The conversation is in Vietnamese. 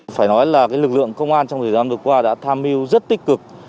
phải nói là lực lượng công an trong thời gian vừa qua đã tham mưu rất tích cực